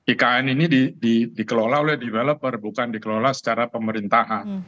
ikn ini dikelola oleh developer bukan dikelola secara pemerintahan